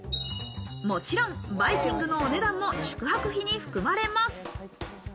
もちろんバイキングのお値段も宿泊費に含まれます。